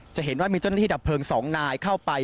จะเห็นว่ามีเจ้าหน้าที่ดับเพลิง๒นายเข้าไป